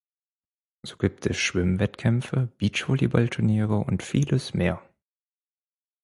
So gibt es Schwimmwettkämpfe, Beach-Volleyball-Turniere und vieles mehr.